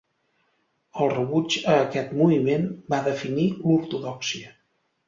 El rebuig a aquest moviment va definir l'ortodòxia.